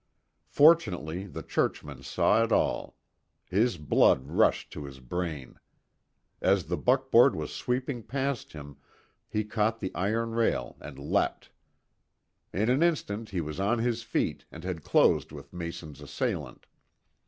Fortunately the churchman saw it all. His blood rushed to his brain. As the buckboard was sweeping past him he caught the iron rail and leapt. In an instant he was on his feet and had closed with Mason's assailant.